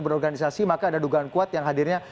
berorganisasi maka ada dugaan kuat yang hadirnya